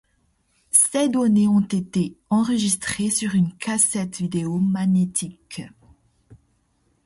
Ces données ont été enregistrées sur une cassette vidéo magnétique.